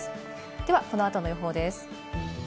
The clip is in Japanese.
では、この後の予報です。